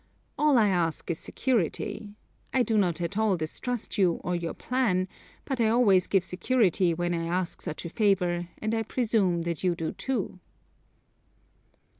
All I ask is security. I do not at all distrust you, or your plan, but I always give security when I ask such a favor and I presume that you do."